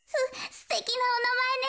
すてきなおなまえね。